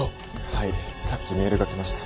はいさっきメールが来ました。